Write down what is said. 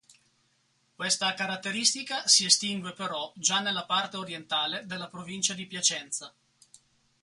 Questa caratteristica si estingue però già nella parte orientale della provincia di Piacenza.